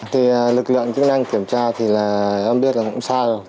thì lực lượng chức năng kiểm tra thì là em biết là cũng sai rồi